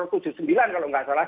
kalau tidak salah